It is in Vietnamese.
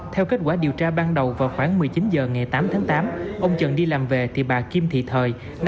theo kết quả điều tra ban đầu vào khoảng một mươi chín h ngày tám tháng tám ông trần đi làm về thì bà kim thị thời